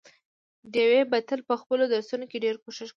ډېوې به تل په خپلو درسونو کې ډېر کوښښ کاوه،